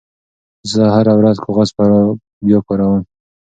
زه هره ورځ کاغذ بیاکاروم.